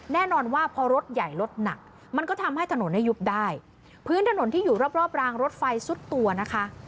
แน่นอนว่าพอรถใหญ่รถหนักมันก็ทำให้ถนนเนี่ยยุบได้พื้นถนนที่อยู่รอบรอบรางรถไฟซุดตัวนะคะ